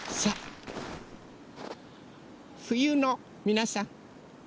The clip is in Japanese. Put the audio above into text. ふゆのみなさん